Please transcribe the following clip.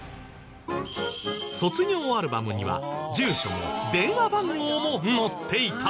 卒業アルバムには住所も電話番号も載っていた。